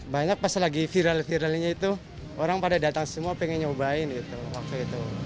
banyak pas lagi viral viralnya itu orang pada datang semua pengen nyobain gitu waktu itu